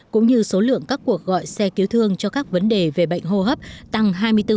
cũng như số lượng các cuộc gọi xe cứu thương cho các vấn đề về bệnh hô hấp tăng hai mươi bốn